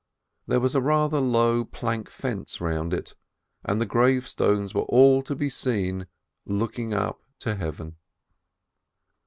There was a rather low plank fence round it, and the gravestones were all to be seen, looking up to Heaven.